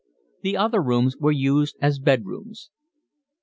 The other rooms were used as bed rooms.